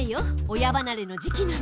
親ばなれの時期なの。